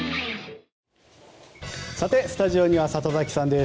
スタジオには里崎さんです。